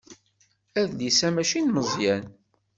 Adlis-a mačči n Meẓyan.